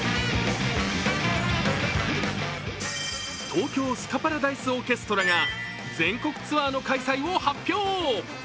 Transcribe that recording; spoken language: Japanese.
東京スカパラダイスオーケストラが全国ツアーの開催を発表。